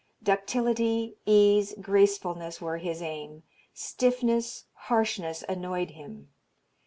Ductility, ease, gracefulness were his aim; stiffness, harshness annoyed him.